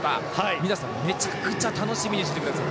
皆さん、めちゃくちゃ楽しみにしててください。